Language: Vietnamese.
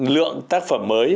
lượng tác phẩm mới